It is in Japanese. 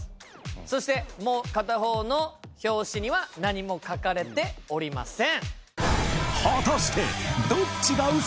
そしてもう片方の表紙には何も書かれておりません。